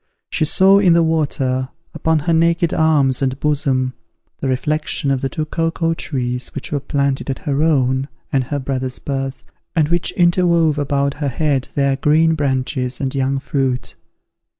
She saw in the water, upon her naked arms and bosom, the reflection of the two cocoa trees which were planted at her own and her brother's birth, and which interwove above her head their green branches and young fruit.